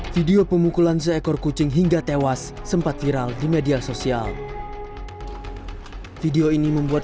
video pemukulan seekor kucing hingga tewas sempat viral di media sosial video ini membuat